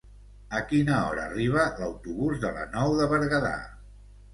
A quina hora arriba l'autobús de la Nou de Berguedà?